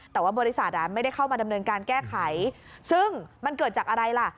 แต่ว่าบริษัทไม่ได้เข้ามาดำเนินการแก้ไขซึ่งมันเกิดจากอะไรล่ะ